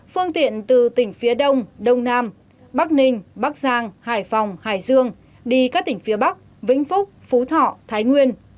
phương tiện từ tỉnh phía đông đông nam bắc ninh bắc giang hải phòng hải dương đi các tỉnh phía bắc vĩnh phúc phú thọ thái nguyên